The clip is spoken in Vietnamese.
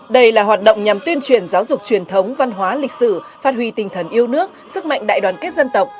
đây là hoạt động nhằm tuyên truyền giáo dục truyền thống văn hóa lịch sử phát huy tinh thần yêu nước sức mạnh đại đoàn kết dân tộc